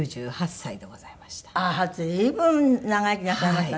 あっ随分長生きなさいましたね。